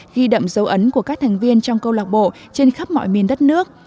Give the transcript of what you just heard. ghi đậm dấu ấn của các thành viên trong câu lạc bộ trên khắp mọi miền đất nước